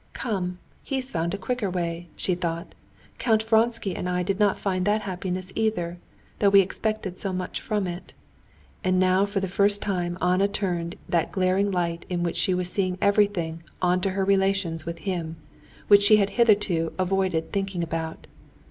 "Come, he's found a quicker way," she thought. "Count Vronsky and I did not find that happiness either, though we expected so much from it." And now for the first time Anna turned that glaring light in which she was seeing everything on to her relations with him, which she had hitherto avoided thinking about.